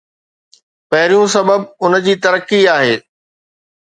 پهريون سبب ان جي ترقي آهي.